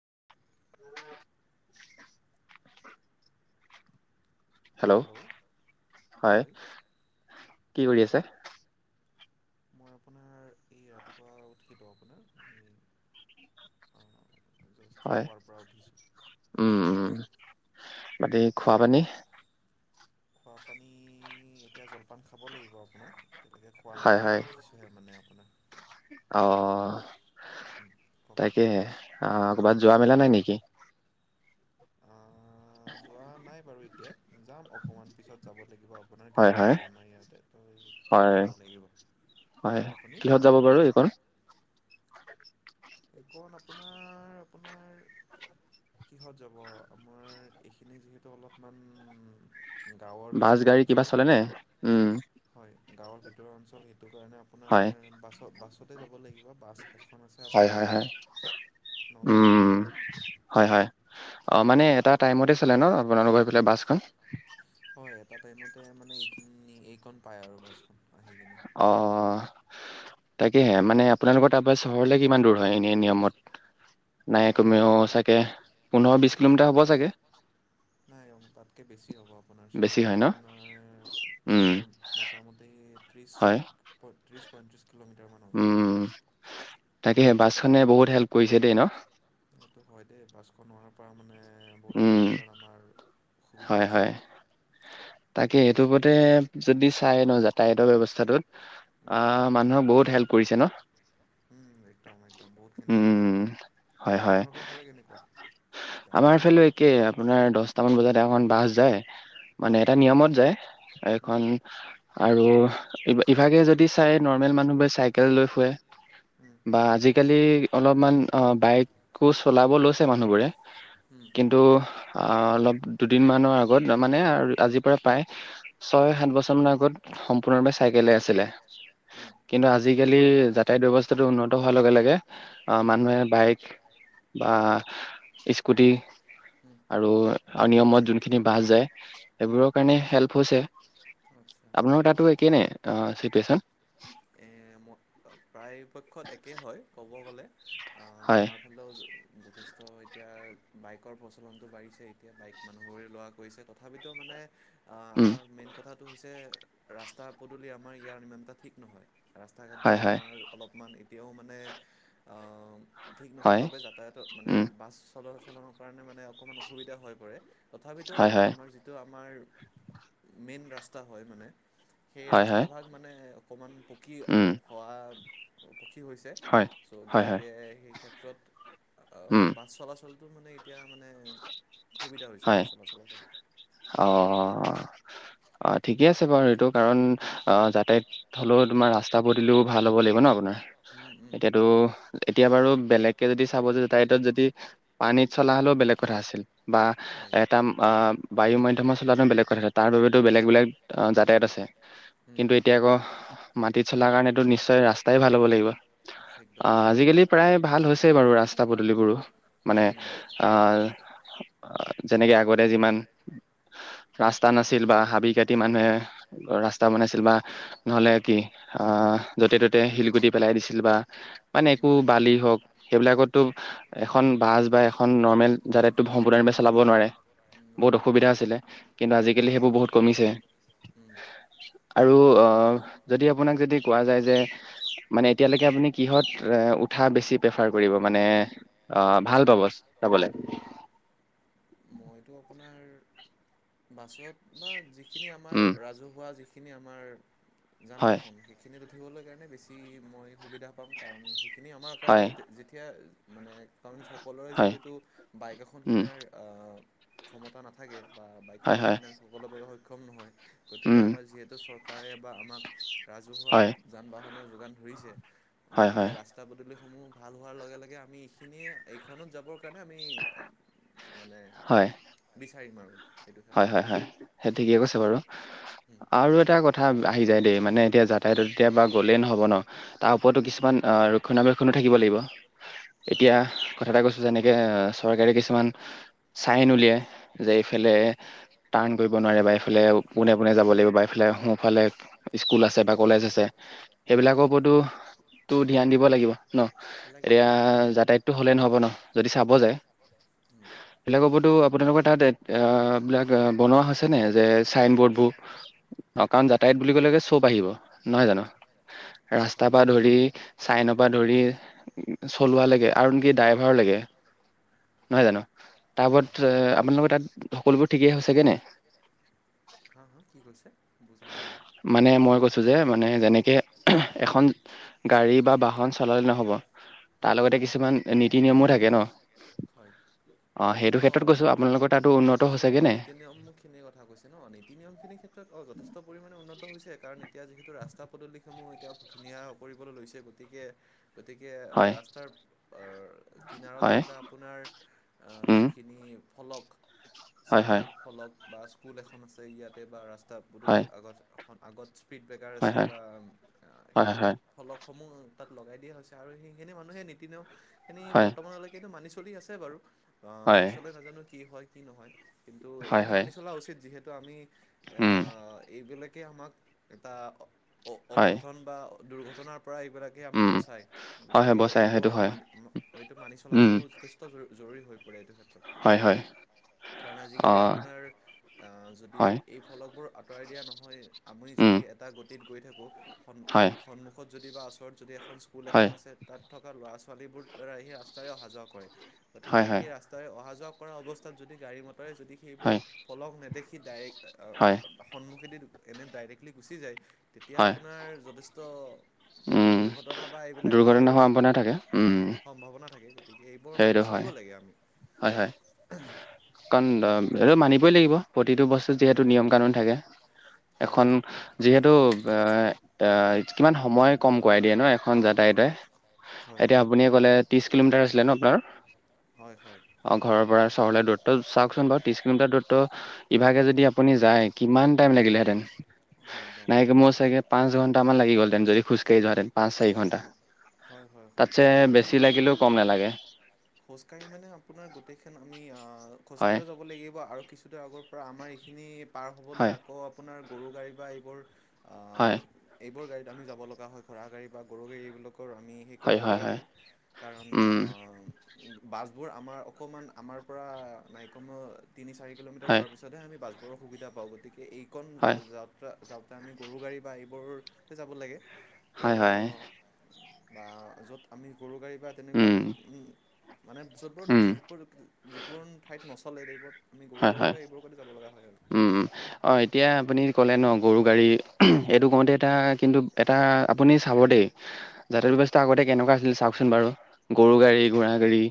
[inaudible] Hello, হয়। কি কৰি আছে? মই আপোনাৰ এই ৰাতিপুৱা উঠিলো আপোনাৰ, অ। হয়, উম-উম। বাকি খোৱা পানী? খোৱাপানী এতিয়া জলপান খাব লাগিব আপোনাৰ। তেনেকে খোৱা হয় নাই মই হয় উঠিছোঁহে মানে আউ। অ কওক তাকেহে, আ ক'বাত যোৱা মেলা নাই নেকি? আ যোৱা নাই বাৰু ই তিয়া। যাম অকণমান পিছত যাব লাগিব আপোনাৰ হয় গাড়ী হয় আছে আমাৰ ইয়াতে, ত' হয় তাত যাব লাগিব, হয় আপুনি? কিহত যাব বাৰু এইকণ [inaudible] এইকণ আপোনাৰ-আপোনাৰ কিহত যাব আমাৰ এইখিনি যিহেতু অলপমান গাঁৱৰ বাছ ভিতৰুৱা গাড়ী কিবা অঞ্চল চলেনে, উম। হয় গাঁৱৰ ভিতৰৰ অঞ্চল সেই টো কাৰণে আপোনাৰ হয় বাছত বাছ ততে যাব লাগিব বাছ এখ [unintelligible] হয়, হয়, হয়, উম, বজাত হয়-হয়। অ উম, মানে এটা টাইমতে লে ন, আপোনালোকৰ সেফালে বাছ খন। হয়, এটা টাইমতে মানে এইখিনি এইকণ পায় আৰু বাচখন আহি। কিনে অ, তাকেহে মানে আপোনালোকৰ তাৰপৰা চহৰলে কিমান দূৰ হয় এনে নিয়মত। নাই আমাৰ কমেও ইয়াৰ পৰা চাগে পোন্ধৰ বিশ কিলোমিটাৰ হ'ব চাগে? নাই তাতকৈ বেছি হ'ব আপোনাৰ, বেছি চহৰলৈ হয় ন উম আপোনাৰ মোটামুটি ত্ৰিছ হয় পইত্ৰিছ পইত্ৰিচ উম তাকেহে, বাছ নে বহুত হেল্প কৰিছে দেই নহ। এইটো হয় দে বাছখন অহাৰ পৰা মানে নে উম বহুতখিনি ক্ষেত্ৰত আমাৰ সুবিধা হয় হৈছে। হয় তাকে এইটো যেতিয়া যদি চাই ন যাতায়তৰ ব্যৱস্থাটোত অ উম, মানুহক বহুত হেল্প কৰিছে ন উম, একদম একদম বহুতখিনি ক্ষেত্ৰত উম হয় হয় আপোনালোকৰ ফালে কেনেকুৱা আমাৰ যাতায়াতত ফালে একে আপোনাৰ দছটামান বজাত এখন বাছ যায় মানে উম, নিয়মত যায় উম। এখন আৰু ইভা ইভাগে যদি চায় নৰ্মেল মানুহবোৰে চাইকেল লৈ ফুৰে হুম বা আজিকালি অলপমান অ বাইকো চলাব লৈছে মানুহবোৰে হুম কিন্তু অ অলপ দুদিনমানৰ আগত তা মানে আজি পৰা প্ৰায় ছয় সাত বছৰমান মানৰ আগত সম্পূৰ্ণৰূপে চাইকেলে আছিলে হুম কিন্তু আজিকালি যাতায়ত ব্যৱস্থাটো উন্নত হোৱাৰ লগে লগে হুম মানুহে বাইক বা স্কুটি হুম আৰু নিয়মত যোনখিনি বাছ যায় হুম সেইবোৰক তেনে হেল্প হৈছে আচ্ছা আপোনাৰ তাতো একে নে চিটিউচন এ মই প্ৰায়পক্ষত একে হয় ক'ব গ'লে অ হয় আমাৰ ফালেও যথেষ্ট এতিয়া বাইকৰ প্ৰচলনটো বাঢ়িছে এতিয়া বাইক মানুহৰে লোৱা কৰিছে তথাপিতো মানে আ উম আমাৰ মেইন কথা টো হৈছে ৰাস্তা পদূলি আমাৰ ইয়াৰ ইমান এটা ঠিক নহয় ৰাস্তা ঘাটবোৰ হয় হয় আমাৰ সিমান এতিয়াও মানে আহ ঠিক নোহো হয় বাবে যাতায়াত মানে উম বাছ সদা চলনৰ কাৰণে মানে অকমান অসুবিধা হৈ পৰে তথাপিতো হয় হয় আমাৰ যিটো আমাৰ মেইন ৰাস্তা হয় মানে সেই হয় হয় ৰাস্তা ভাগ মানে অকমান পকী উম হোৱা সুখী হৈছে হয় চ' হয় হয় গতিকে সেই ক্ষেত্ৰত আ উম ম বাছ চলাচল টো মানে এতিয়া মানে সুবিধা হৈছে হয় বাছ চলাচলৰ কাৰণে। অ অ ঠিকে আছে বাৰু এইটো কাৰণ অ যাতায়ত হলেও তোমাৰ ৰাস্তা পদুলিও ভাল হ'ব লাগিব ন আপোনাৰ উম উম এতিয়াতো এতিয়া বাৰু বেলেগ কে যদি চাব যায় তাই যদি পানীত চলা হলেও বেলেগ কথা আছিল বা হয় এটা আ ম বায়ু মাধ্যমত চলাটো বেলেগ কথা তাৰ বাবেতো বেলেগ বেলেগ যাতায়ত আছে উম কিন্তু এতিয়া আকৌ মাটিত চলাৰ কাৰণটো নিশ্চয় ৰাস্তাই ভাল হ'ব লাগিব। একদম অ' আজিকালি প্ৰায় ভাল হৈছেয়ে বাৰু ৰাস্তা পদূলিবোৰো। মানে উম আহ যেনেকে আগতে যিমান ৰাস্তা ৰাস্তা নাছিল বা হাবি কাটি মানুহে ৰাস্তা বনাইছিল বা নহ'লে কি আহ য'তে ত'তে শিলগুটি পেলাই দিছিল বা মানে একো উম। বালি হওক, সেইবিলাকতটো এখন বাছ বা এখন নৰ্মেল যাতায়তটো সম্পূৰ্ণৰূপে চলাব নোৱাৰে, বহুত নোৱাৰে অসুবিধা আছিলে কিন্তু আজিকালি সেইবোৰ বহুত কমিছে। উম আৰু অ' যদি আপোনাক যদি কোৱা যায় যে মানে এতিয়ালৈকে আপুনি কি'হত উঠা বেছি প্ৰেফাৰ কৰিব মানে ভাল পাব যাবলে। মইতো আপোনাৰ বাছত। বা যিখিনি আমাৰ উম ৰাজহুৱা যি সেইখিনি আমাৰ যান হয় বাহন, সেইখিনি উঠি বলৈ কাৰণে বেছি মই সুবিধা পাম। কাৰণ, সেইখিনি আমাৰ কাৰণে হয় যেতিয়া মানে কাৰণ সকলোৰে হয় যিহেতু বাইক এখন উম কিনাৰ ক্ষমতা নাথাকে, বা বাইক হয় এখন হয় কিনাৰ সকলোৰ বাবে সক্ষম নহয়। গতিকে, উম আমাৰ যিহেতু চৰকা কাৰে বা আমাক ৰাজহুৱা হয় যান বাহনৰ যোগান ধৰিছে, হয় হয় গতিকে ৰাস্তা পদূলি সমূহ ভাল হোৱাৰ লগে লগে আমি এইখিনিয়ে এইখনত যাবৰ কাৰণে আমি মানে হয় বিছ চাৰিম আৰু। সেইটো হয় ক্ষেত্ৰত হয় হয়, সেই ঠিকেই কৈছে বাৰু। আৰু এটা কথ কথা আহি যায় দেই মানে এতিয়া যাতায়ত এতিয়া বা গ'লেই নহ'ব ন তাৰ ওপৰতো কিছুমান ৰক্ষণাবেক্ষণো থাকিব লাগিব। হয় এতিয়া কথা এটা কৈছো যেনেকে চৰকাৰে কিছুমান চাইন উলিয়াই যে এইফালে টাৰ্ণ কৰিব নোৱাৰে, বা ইফালে পোনে পোনে যাব লাগিব, বা ইফালে সোফালে স্কুল আছে বা কলেজ আছে, সেইবিলাকৰ ওপৰতো টো ধ্যান দিব লাগিব ন, এতিয়া লাগিব লাগিব যাতায়তটো হ'লেই নহ'ব ন? যদি চাব যায় সেইবিলাকোতো আপোনালোকৰ তাত এইয়া বিলাক বনোৱা হৈছে নে যে চাইন বৰ্ডবোৰ, কাৰণ যাতায়ত বুলি ক'লে চব আহিব, নহয় জানো? ৰাস্তাৰ হয় পৰা হয় ধৰি চাইনৰ পৰা ধৰি চলোৱা লেগে আৰু নেকি ড্ৰাইভাৰ লেগে নহয় জানো? হয় তাৰপৰত হয় এ আপোনালোকৰ তাত ঠিকেই হৈছেগে নে? হা হা কি কৈছে? বুজা নাই মই মানে মই কৈছো যে মানে যেনেকে এখন গাড়ী বা বাহ খন চলালে নহ'ব তাৰ উম লগতে কিছুমান নীতি নিয়মো থাকে ন? হয় সেইটো অ ক্ষেত্ৰত কৈছো নীতি আপোনালোকৰ নীতি তাতো অ উন্নত নীতি নিয়ম হৈছেগে নে নীতি নিয়মখিনিৰ কথা কৈছে ন নীতি নিয়ম খিনিৰ ক্ষেত্ৰত অ যথেষ্ট পৰিমাণে উন্নত হৈছে কাৰণ এতিয়া যিহেতু ৰাস্তা পদূলিসমূহ এতিয়া ধুনীয়া কৰিবলৈ লৈছে গতিকে গতিকে হয় ৰাস্তাৰ কিনাৰত হয় থকা আপোনাৰ উম যিখিনি ফলক হয় চিনৰ হয় ফলক বা স্কুল এখন আছে ইয়াতে বা ৰাস্ হয় [unintelligible] আগত আগত স্পীডব্ৰেকাৰ হয় আছে হয় বা হয় সেইবিলাক হয় ফলক সমূহ তাত লগাই দিয়া হৈছে আৰু সেইখিনি মানুহে নীতি নিয়ম এনে হয় বৰ্তমানলৈকেটো মানি চলি আছে বাৰু। অ হয় পিছলৈ নাজানো কি হয়। কি নহয় কিন্তু হয় এইখিনি হয় মানি চলা উচিত যিহেতু আমি উম আহ এইবিলাক কে আমাক এটা অ হয় অঘটন বা দুৰ্ঘটনাৰ পৰা এইবিলাকেই আমাক উম বচায় হয় হয় গতিকে বচাই সেইটো এইবোৰ হয় মান এইটো মানি চলাটো উম জৰুৰী হৈ [unintelligible] হয় হয় কাৰণ আজিকালি অ', আপোনাৰ অ যদি হয়, এই ফলকবোৰ আঁতৰাই দিয়া নহয় আমি উম, যদি এটা [unintelligible] গৈ থাকো। সন্ হয়, সন্মুখত যদি বা ওচৰত যদি এখন স্কুল এখন হয়, আছে তাত থকা ল'ৰা ছ ছোৱালীবোৰ তাৰ সেই ৰাস্তাৰে অহা যোৱা কৰে। হয়, গতিকে, হয়, সেই ৰাস্তাৰে অহা যোৱা কৰা অৱস্থাত যদি গাড়ী ম কৰে যদি সেইবোৰত হয়, ফলক নেদেখি সি দায়েক হয়। এনে ডাইৰেক্টলি গুচি যায় তেতিয়া হয়, আপোনাৰ যথেষ্ট উম, দুৰ্ঘটনা বা এইবিলাকৰ দুৰ্ঘটনা সম্ভাৱনা থাকে, উম। সম্ভাৱনা থাকে গতিকে এইবোৰ মানি সেইটো হয়, চলিব লাগে আমি হয়-হয় কাৰণ এটো মানিবই লাগিব। প্ৰতিটো বস্তুত যিহেতু মানিব নিয়ম কানুন থাকে, হয় এখন হয় যিহেতু এ- এ কিমান সময় কম কৰাই দিয়ে ন এখন যাতায়তে। হয় এতিয়া হয় আপুনিয়ে ক'লে ত্ৰিশ কিলোমিটাৰ আছিলে ন। [unintelligible] হয় হয় অঁ ঘৰৰ পৰা চহৰলে দূৰত্ব চাওকচোন বাৰু ত্ৰিশ কিলোমিটাৰ দুৰত্ব ইভাগে উম, যদি আপুনি যায় কিমান টাইম লাগিলেঁতেন। একদম নাইকমেও বহুত চাগে পাঁচ ঘন্টামান লাগি গ'লহেতেন যদি খোজকাঢ়ি উম, যোৱাহেঁতেন পাঁচ চাৰি ঘন্টা, হয় হয় হয় তাতছে বেছি লাগিলেও কম নালাগে। খোজ কাঢ়ি মানে আপোনাৰ গোটেই খন আমি আ অঁ হয় খোজকাঢ়িও যাব লাগিব আৰু কিছুদূৰ আগৰ পৰা আমাৰ এই খিনি পাৰ হ'বলৈ হয় আকৌ আপোনাৰ গৰু গাড়ী বা এইবোৰ হয়। এইব গাড়ী আমি য লগা হয় ঘোঁৰা গাড়ী বা গৰু গাড়ী এইবাক। আমি সেই কৰিব লগা হয়। উম যিবোৰ আমাৰ অকণমান আমাৰ পৰা নাইকম তিনি চাৰি কিলোমিাৰ হয় যোৱাৰ পিতহ আমি বাজ ময়ো সুবিধা পাওঁ গতিকে এই কণ হয় জাত যাওঁতে আমি গৰু গাড়ী বা এইবোৰতে যাব লাগে। হয়-হয় তো বা য'ত আমি গৰু গাড়ী, বা তেনেকুৱা মানে যতবোৰ উম যোৰ যিকোন ঠাইত নষ্ট খুলেই টাইপৰ। হয়-হয় উম-উম এতিয়া আপুনি ক'লে ন গৰু গাড়ী এইটো কওঁতে এটা কিন্তু এটা আপুনি চাব দেই। জাতায় উম, ব্যৱস্থা আগতে কেনেকুৱা চাওকচোন বাৰু। গৰু গাড়ী সেই ঘোঁৰা গাড়ী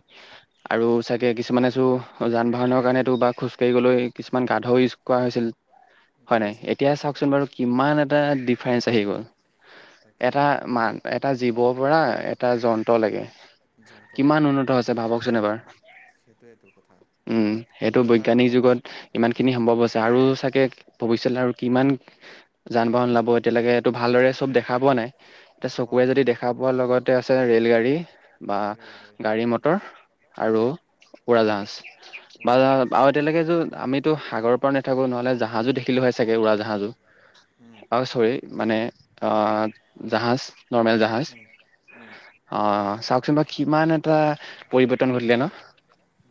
আৰু হয় চাগে কিছুমানে। যান বাহনৰ কাৰণেতো বাত খোজকাঢ়ি গলৈ কিছুমান গাধৰ ইউজ কৰা হৈছিল। হয় নাই কৰিছিলে এতিয়া কৰিছিলে চাওকচোন বাৰু কিমান এটা ফ্ৰেচ আহি গ'ল। তাকে এটা এই মান এটা জীৱৰ পৰা। এটা যন্ত্ৰ লাগে। যন্ত্ৰলৈ কিমান উন্নত হৈছে ভাবকচোন এবাৰ সেইটোৱেইটো কথা উম এইটো সেইটো। এটা অভা যুগত ইমান খিনি সম্ভৱ আছে আৰু। চাকে ভৱিষ্য আৰু কিমান যান বাহন লাব এতিয়ালৈকে এইটো ভালদৰে চব দেখা পোৱা নাই। এতিয়া চকুৰে হয় যদি হয় দেখা পোৱা লগতে আছে ৰেল গাড়ী বা ৰে'লগাড়ী গাড়ী মটৰ আৰু উম, উৰা জাহাজ বা উৰাজাহাজ আৰু এতিয়ালৈকে যো আমিতো সাগৰৰ পৰা নাথাকো নহ'লে জাহাজো দেখিলো হয় চাগে উৰা জাহাজো উম, আৰু চৰি। মানে জাহাজ। নৰ্মেল জাহাজ। উম, উম। চোন বা কিমান এটা পৰিৱৰ্তন ঘটিলে ন।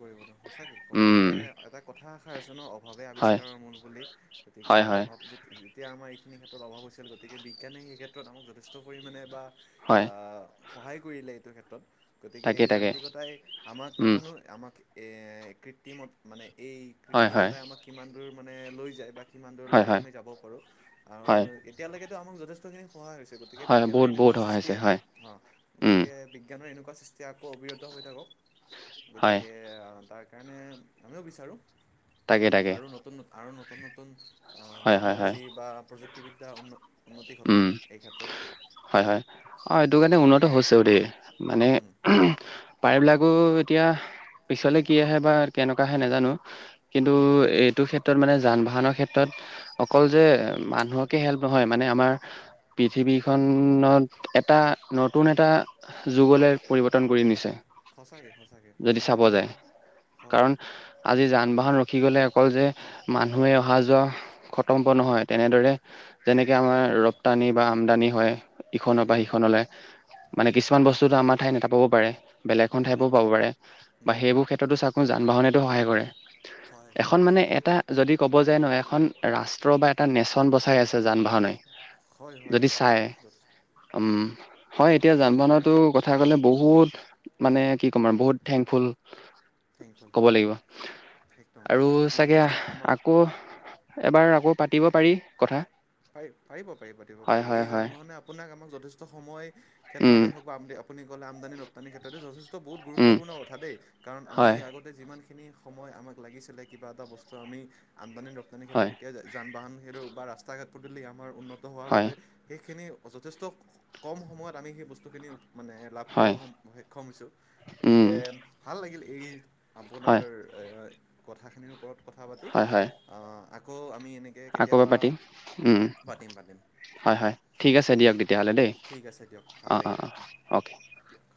কৰিবটো সচাকে ক'ব উম গ'লে এটা কথাষাৰ জানো অভাৱে হয় আৱিষ্কাৰৰ মূল বুলি গতিকে হয় হয় অভাৱ যেতিয়া আমাৰ ক্ষেত্ৰ অভাৱ হৈ গতিকে বিজ্ঞান স ক্ষেত্ৰত আমাক যথেষ্ট পৰিাণে বা হয় সহায় কৰিলে এইটো ক্ষেত্ৰত গতিকে তাকে এই তাকে যান্ত্ৰিকতাই আমাক উম নাজানো এ কৃত্ৰিমত মানে এই হয় হয় কৃত্ৰিমতাই আমাক কিমান তো মানে লৈ যায় বা কিমান হয় দূৰলৈকে হয় আমি যাব পাৰোঁ আৰু হয় এতিয়ালৈকে আমাক যথেষ্টখিনি সহায় হৈছে গতিকে হয় বিজ্ঞানৰ বহুত বহুত এনেকুৱা সহায় হৈছে সৃষ্টিয়ে হয় হ উম গতিকে বিজ্ঞানৰ এনেকুৱা সৃষ্টি আকৌ অবিৰত হৈ থাকক হয় গতিকে তাক সেইকাৰণে আমিও বিচাৰোঁ তাকে তাকে আৰু নতুনন আৰু নুন ন ন হয় হয় হয় টেকনলজি বা প্ৰযুক্ত ক্তি বি্যা উন্নত উম হয় হয় অ এইেইটো কাৰণে উন্নত [unintelligible] দে মানে উম পাৰ বিলাকো এতিয়া পিছলে কি আহে বা কেনেকুৱা আহে নাজানো কিন্তু উম, এইটো ক্ষেত্ৰত মানে যান বাহনৰ ক্ষেত্ৰত অকল যে মানুহকে হেল্প নহয় মানে আমাৰ পৃথিৱীখনত এটা নতুন এটা যুগলৈ পৰিৱৰ্তন কৰি নিছে সঁচাকৈ সঁচাকৈ যদি আমাৰ চাব যায় মানুহৰ হয় কাৰণ আজি যান বাহন ৰখি গলে অকল যে মানুহে অহা যোৱা খতম্ব নহয় তেনেদৰে যেনেকৈ আমাৰ ৰপ্তানি বা আমদানি হয় ইখনৰ পৰা উম, সিখনলৈ মানে হয় কিছুমান বস্তুতো আমাৰ উঠাই নোপাব পাৰে বেলেগ এ ঠাইও নাথাকিব পাব পাৰে বা উম, সেইবোৰ ক্ষেত্ৰতো চাক যান বাহনেতো সহায় কৰে সহায় কৰে এখন সহায় মানে কৰে এটা যদি ক'ব যে ন এখন ৰাষ্ট্ৰ বা এটা নেশচন বচাই আছে যান বাহনোই হয় হয় যদি হয় চাই উম। হয়, এতিয়া যান আপোনাৰ বাহমতো কথা ক'লে বহুত। মানে কি ক'ম আৰু বহুত থেংকফুল থেংকফুল ক'ব থেংকফুল লাগিব। একদম আৰু ই চাগে যথেষ্ট আমাৰ আকৌ এবাৰ আকৌ পাতিব পাৰি কথা। পাৰি পাৰিব, পাৰিব পাতিব হয় পাৰি হয় এই হয় যান-বাহনে আপোনাক আমাক। যথেষ্ট সময় উম ক্ষেত্ৰতে হওক বা [unintelligible] আপুনি কলে আমদানি ৰপ্তানিৰ ক্ষেত্ৰতে যথেষ্ট। ত' বহুত উম গুৰুত্বপূৰ্ণ কথা দেই। কাৰণ আমি হয় আগতে যিমান সময় আমাক লাগিছিলে, কিবা এটা বস্তু আমি আমদানি-ৰপ্তানিৰ ক্ষেত্ৰত হয় এতিয়া যান-বাহন [unintelligible] [unintelligible] আমাৰ উন্নত হোৱাৰ হয় বাবে সেইখিনিও যথেষ্ট কম সময়ত আমি সেই বস্তুখিনি মানে লাভ কৰিব হয় সক্ষম হৈছো, উম গতিকে ভাল লাগিলে। এই আপোনাৰ হয় এ কথাখিনিৰ ওপৰত কথা পাতি হয় হয় অ আকৌ আমি এনেকে আকৌ এবাৰ কেতিয়াবা পাতিম উম পাতিম পাতিম হয় হয় ঠিক আছে দিয়ক তেতিয়াহ'লে। দেই ঠিক আছে দিয়ক ভাল অঁ অঁ লাগিল অঁ অ'কে দিয়ক।